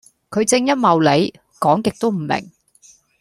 佢正一茂里，講極都唔明